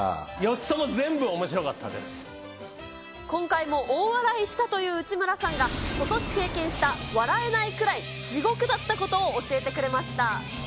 ４つとも全部おもしろかった今回も大笑いしたという内村さんが、ことし経験した笑えないくらい地獄だったことを教えてくれました。